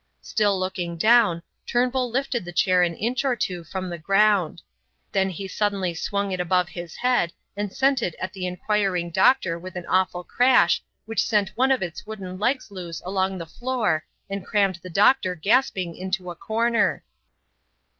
Still looking down, Turnbull lifted the chair an inch or two from the ground. Then he suddenly swung it above his head and sent it at the inquiring doctor with an awful crash which sent one of its wooden legs loose along the floor and crammed the doctor gasping into a corner.